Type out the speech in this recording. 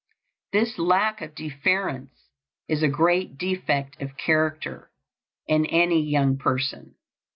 This lack of deference is a great defect of character in any young person.